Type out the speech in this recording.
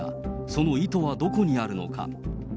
その意図はどこにあるのか。